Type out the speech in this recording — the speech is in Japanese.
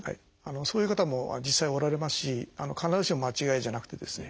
そういう方も実際おられますし必ずしも間違いじゃなくてですね